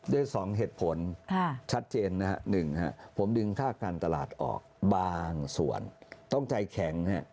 ได้๒เหตุผลชัดเจนนะฮะ๑ผมดึงค่าการตลาดออกบางส่วนต้องใจแข็ง